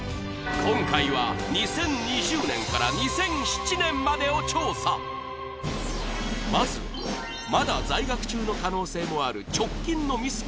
今回は２０２０年から２００７年までを調査まずはまだ在学中の可能性もある直近のミス